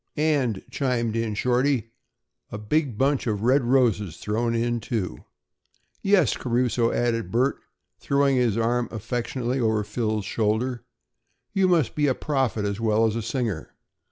"And," chimed in Shorty, "a big bunch of red roses thrown in, too." "Yes, Caruso," added Bert, throwing his arm affectionately over Phil's shoulder, "you must be a prophet as well as a singer."